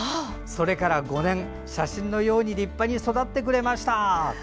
それから５年、写真のように立派に育ってくれました。